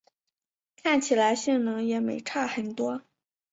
看起来性能也没差很多